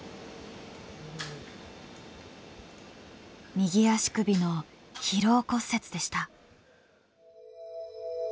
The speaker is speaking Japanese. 右足首の疲労骨折でした。